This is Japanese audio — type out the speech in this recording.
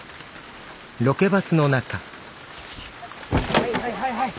はいはいはいはい。